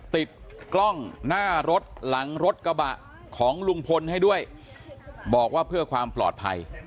ติดกล้องหน้ารถหลังรถกระบะของลุงพลให้ด้วยบอกว่าเพื่อความปลอดภัย